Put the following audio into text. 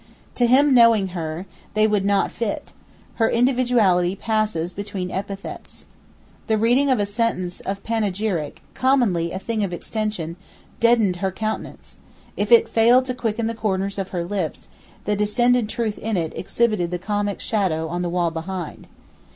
To him knowing her, they would not fit; her individuality passes between epithets. The reading of a sentence of panegyric (commonly a thing of extension) deadened her countenance, if it failed to quicken the corners of her lips; the distended truth in it exhibited the comic shadow on the wall behind.